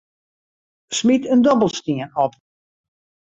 Smyt in dobbelstien op.